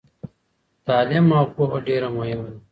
تعلیم او پوهه ډیره مهمه ده.